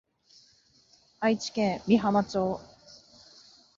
愛知県美浜町